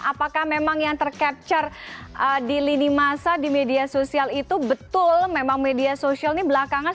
apakah memang yang tercapture di lini masa di media sosial itu betul memang media sosial ini belakangan